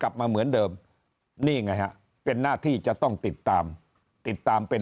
กลับมาเหมือนเดิมนี่ไงฮะเป็นหน้าที่จะต้องติดตามติดตามเป็น